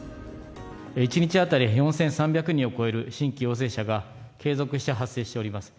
１日当たり４３００人を超える新規陽性者が、継続して発生しております。